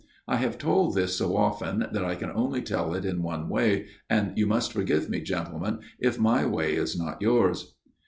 I have told this so often that I can only tell it in one way, and you must forgive me, gentlemen, if my way is not yours.